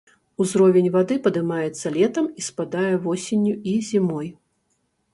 Узровень вады падымаецца летам, і спадае восенню і зімой.